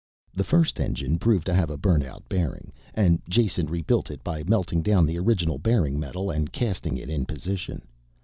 The first engine proved to have a burnt out bearing and Jason rebuilt it by melting down the original bearing metal and casting it in position.